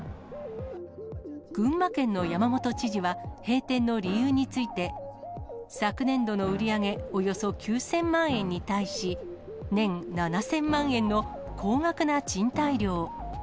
群馬県の山本知事は、閉店の理由について、昨年度の売り上げおよそ９０００万円に対し、年７０００万円の高額な賃貸料。